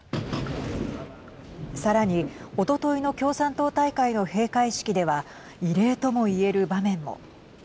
さらに、おとといの共産党大会の閉会式では異例ともいえる場面も。